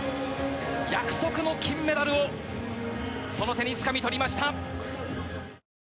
約束の金メダルをその手につかみ取りました。